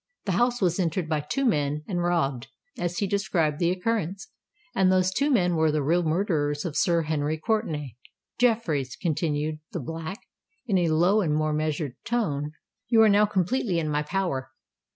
The house was entered by two men and robbed, as he described the occurrence—and those two men were the real murderers of Sir Henry Courtenay! Jeffreys," continued the Black, in a lower and more measured tone, "you are now completely in my power.